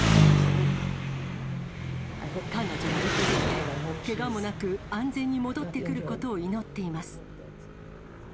彼女が生きていて、けがもなく、安全に戻ってくることを祈っています。